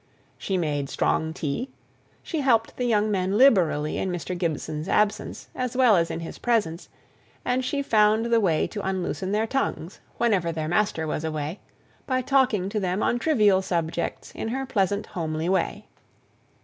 She made strong tea; she helped the young men liberally in Mr. Gibson's absence, as well as in his presence, and she found the way to unloosen their tongues, whenever their master was away, by talking to them on trivial subjects in her pleasant homely way.